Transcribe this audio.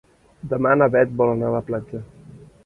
Demà na Bet vol anar a la platja.